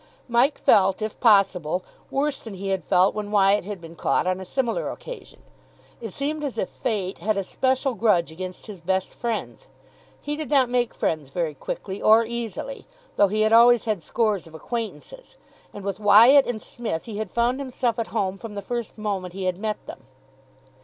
Mike felt, if possible, worse than he had felt when Wyatt had been caught on a similar occasion. It seemed as if Fate had a special grudge against his best friends. He did not make friends very quickly or easily, though he had always had scores of acquaintances and with Wyatt and Psmith he had found himself at home from the first moment he had met them.